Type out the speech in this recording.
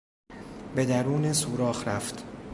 به درون سوراخ رفت.